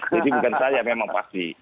jadi bukan saya memang pasti